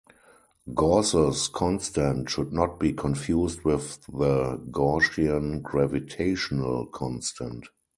Gauss's constant should not be confused with the Gaussian gravitational constant.